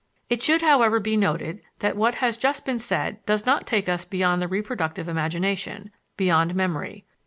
It should, however, be noted that what has just been said does not take us beyond the reproductive imagination beyond memory.